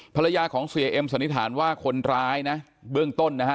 ภรรยาของเสียเอ็มสันนิษฐานว่าคนร้ายนะเบื้องต้นนะฮะ